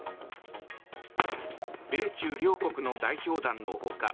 米中両国の代表団の他